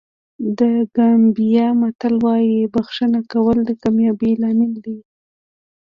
د ګامبیا متل وایي بښنه کول د کامیابۍ لامل دی.